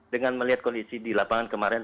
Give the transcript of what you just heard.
dengan melihat kondisi di lapangan kemarin